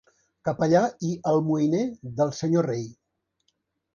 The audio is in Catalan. Capellà i almoiner del senyor rei.